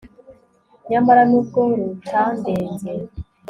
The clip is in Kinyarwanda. nyamara nubwo rutandenze